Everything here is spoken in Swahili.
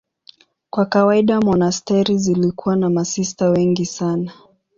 Kwa kawaida monasteri zilikuwa na masista wengi sana.